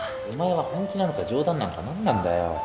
お前は本気なのか冗談なのか何なんだよ。